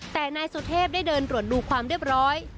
แต่นายสุเทพได้เดินตรวจดูความเรียบร้อย